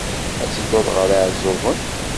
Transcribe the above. Ad tedduḍ ɣer Iɛeẓẓugen?